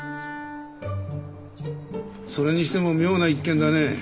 それにしても妙な一件だね。